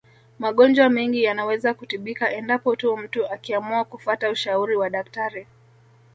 Magonjwa mengi yanaweza kutibika endapo tu mtu akiamua kufata ushauri wa daktari